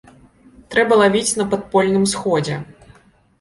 Трэба лавіць на падпольным сходзе.